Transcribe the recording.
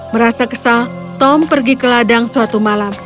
merasa kesal tom pergi ke ladang suatu malam